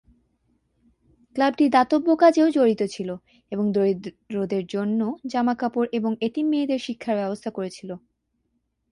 ক্লাবটি দাতব্য কাজেও জড়িত ছিলো, এবং দরিদ্রদের জন্য জামাকাপড় এবং এতিম মেয়েদের শিক্ষার ব্যবস্থা করেছিল।